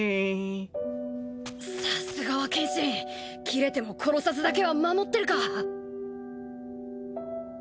さすがは剣心キレても殺さずだけは守ってるか。